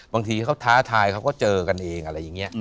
บางทีเขาท้าทายเขาก็เจอกันเองอะไรอย่างนี้